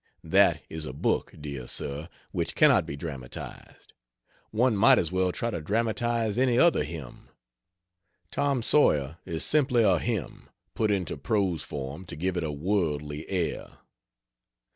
That is a book, dear sir, which cannot be dramatized. One might as well try to dramatize any other hymn. Tom Sawyer is simply a hymn, put into prose form to give it a worldly air.